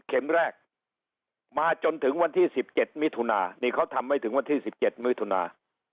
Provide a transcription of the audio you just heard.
แรกมาจนถึงวันที่๑๗มิถุนานี่เขาทำไม่ถึงวันที่๑๗มิถุนา